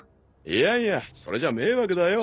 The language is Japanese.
いやいやそれじゃ迷惑だよ